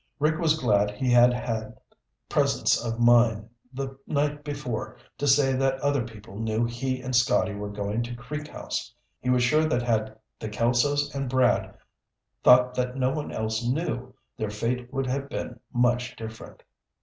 Rick was glad he had had presence of mind the night before to say that other people knew he and Scotty were going to Creek House. He was sure that had the Kelsos and Brad thought that no one else knew, their fate would have been much different.